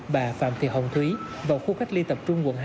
bà phạm thị hồng thúy vào khu cách ly tập trung quận hai